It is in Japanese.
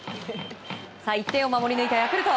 １点を守ったヤクルト。